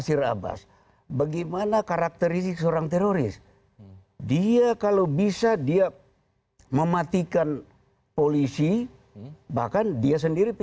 sudah seorang koruptor yang rame diperbincangan di media